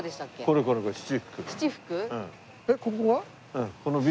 えっここが？